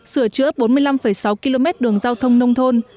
sửa chữa bốn mươi năm sáu km đường giao thông nông thôn